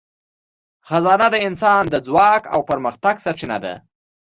خزانه د انسان د ځواک او پرمختګ سرچینه ده.